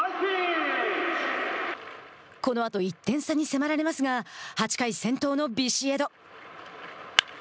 このあと１点差に迫られますが８回、先頭のビシエド。